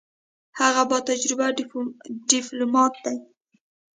هغه با تجربه ډیپلوماټ دی.